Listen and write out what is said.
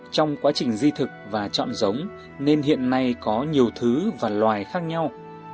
trong quá trình di thực và chọn giống nên hiện nay có nhiều thứ và loài khác nhau